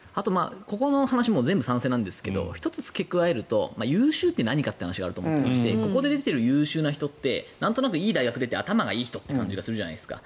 この話全部賛成なんですが１つつけ加えると優秀って何かという話があると思いましてここにある優秀な人ってなんとなくいい大学出て頭がいい人という感じがするじゃないですか。